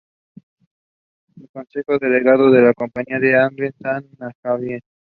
El consejero delegado de la compañía es Ahmed Al-Wahaibi.